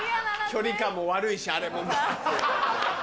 距離感も悪いしあれもガッて。